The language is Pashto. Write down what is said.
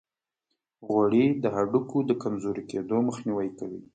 غوړې د هډوکو د کمزوري کیدو مخنیوي کوي.